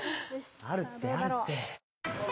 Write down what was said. あるってあるって。